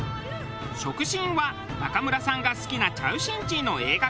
『食神』は中村さんが好きなチャウ・シンチーの映画から。